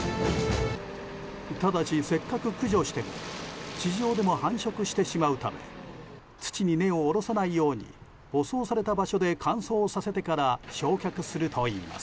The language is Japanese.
ただし、せっかく駆除しても地上でも繁殖してしまうため土に根を下ろさないように舗装された場所で乾燥させてから焼却するといいます。